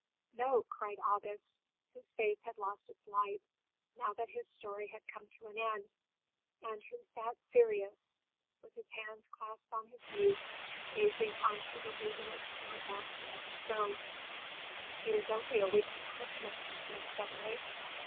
"No," cried August, whose face had lost its light, now that his story had come to an end, and who sat serious, with his hands clasped on his knees, gazing on to the luminous arabesques of the stove. "It is only a week to Christmas," he said, suddenly.